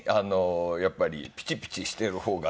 やっぱりピチピチしている方がね